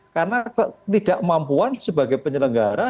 karena ketidakmampuan sebagai penyelenggara